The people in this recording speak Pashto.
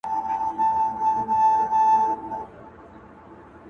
د دې خلکو دي خدای مل سي له پاچا څخه لار ورکه!!